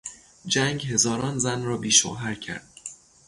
جنگ هزاران زن را بیشوهر کرد.